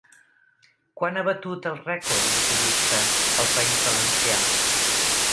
Quan ha batut el rècord de turistes el País Valencià?